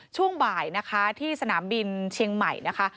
ช่วงบ่ายนะคะที่สนามบินเชียงใหม่นะคะ